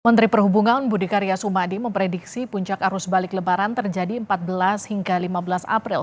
menteri perhubungan budi karya sumadi memprediksi puncak arus balik lebaran terjadi empat belas hingga lima belas april